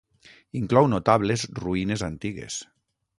Inclou notables ruïnes antigues.